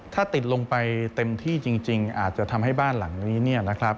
ถ้าติดลงไปเต็มที่จริงอาจจะทำให้บ้านหลังนี้